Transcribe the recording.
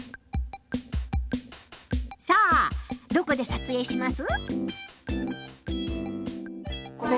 さあどこで撮影します？